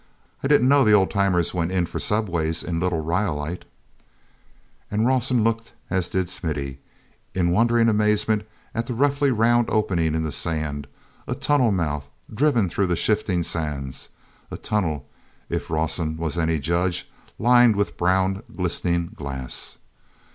I didn't know the old timers went in for subways in Little Rhyolite." And Rawson looked as did Smithy, in wondering amazement, at the roughly round opening in the sand, a tunnel mouth, driven through the shifting sands—a tunnel, if Rawson was any judge, lined with brown glistening glass.